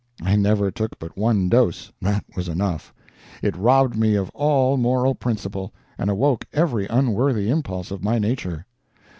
I never took but one dose; that was enough; it robbed me of all moral principle, and awoke every unworthy impulse of my nature.